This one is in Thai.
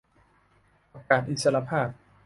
ประกาศอิสรภาพ